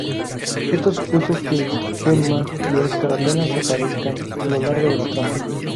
Esto supuso que Gemma y Óscar apenas aparezcan a lo largo de la trama.